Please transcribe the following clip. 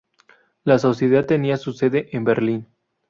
La Sociedad tenía su sede en Berlín.